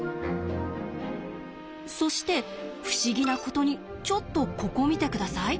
そして不思議なことにちょっとここ見て下さい。